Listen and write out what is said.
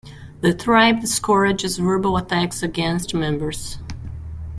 The tribe discourages verbal attacks against members.